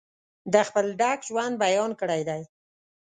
د خپل ډک ژوند بیان کړی دی.